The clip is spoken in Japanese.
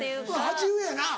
鉢植えやな。